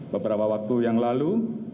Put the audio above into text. beberapa waktu yang lalu